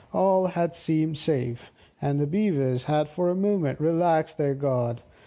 All had seemed safe, and the Beavers had for a moment relaxed their guard.